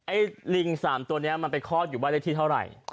ลิง๓ตัวนี้มันไปคลอดอยู่บ้านเลขที่เท่าไหร่